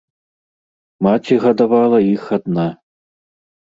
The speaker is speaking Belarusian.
Маці гадавала іх адна.